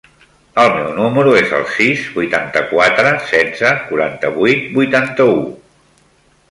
El meu número es el sis, vuitanta-quatre, setze, quaranta-vuit, vuitanta-u.